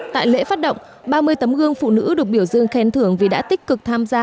tại lễ phát động ba mươi tấm gương phụ nữ được biểu dương khen thưởng vì đã tích cực tham gia